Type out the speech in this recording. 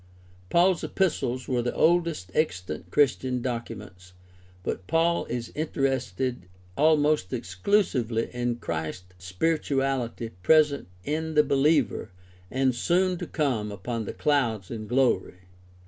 Paul's epistles are the oldest extant Christian documents, but Paul is interested almost exclusively in Christ spiritually present in the behever and soon to come upon the clouds in glory.